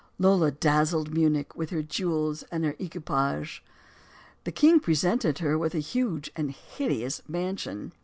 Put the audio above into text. Lola dazzled Munich with her jewels and her equipages. The king presented her with a huge and hideous mansion.